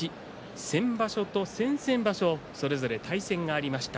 先場所と先々場所それぞれ対戦がありました。